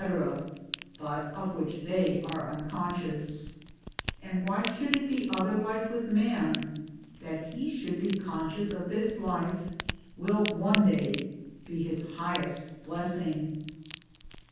but of which they are unconscious. And why should it be otherwise with man? That he should be conscious of this life will one day be his highest blessing."